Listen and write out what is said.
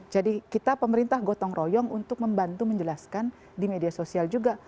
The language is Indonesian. jadi kita pemerintah gotong royong untuk membantu menjelaskan di media sosial juga